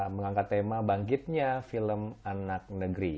mengangkat tema bangkitnya film anak negeri